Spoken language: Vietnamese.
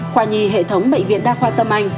khoa nhi hệ thống bệnh viện đa khoa tâm anh